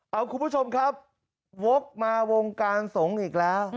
เอาคุณผู้ชมครับวกมาวงการสงฆ์อีกแล้ว